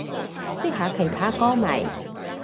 識下其他歌迷